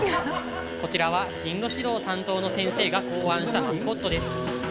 こちらは進路指導担当の先生が考案したマスコットです。